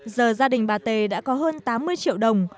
giờ gia đình bà tề đã có hơn tám mươi triệu đồng